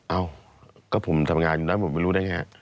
เอ้าก็ผมทำงานอยู่แล้วผมไม่รู้ได้ไง